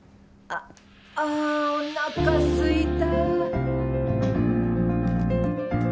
あぁおなかすいた・・